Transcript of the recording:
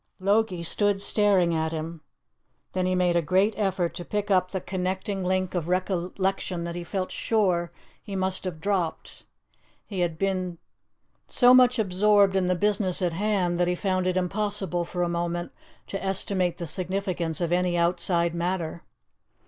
Logie stood staring at him. Then he made a great effort to pick up the connecting link of recollection that he felt sure he must have dropped. He had been so much absorbed in the business in hand that he found it impossible for a moment to estimate the significance of any outside matter.